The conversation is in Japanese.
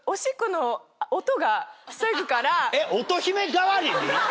音姫代わりに？